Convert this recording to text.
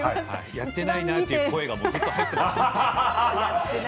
やってないなという声がずっと入っています。